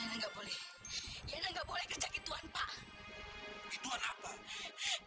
enggak boleh enggak boleh kerja gituan pak